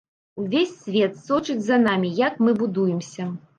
Увесь свет сочыць за намі, як мы будуемся.